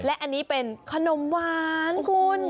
และอันนี้เป็นขนมหวานคุณ